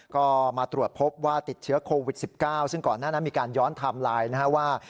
ก็มาตรวจพบว่าติดเชื้อโควิด๑๙ซึ่งก่อนหน้านั้นมีการย้อนไทม์ไลน์นะครับว่า